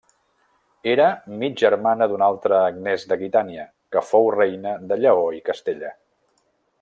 Era mig germana d'una altra Agnès d'Aquitània, que fou reina de Lleó i Castella.